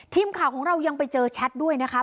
ทีมข่าวของเรายังไปเจอแชทด้วยนะคะ